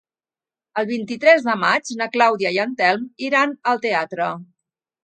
El vint-i-tres de maig na Clàudia i en Telm iran al teatre.